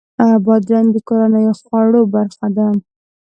بادرنګ د کورنیو خوړو برخه ده.